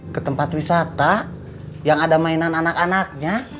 ke tempat wisata yang ada mainan anak anaknya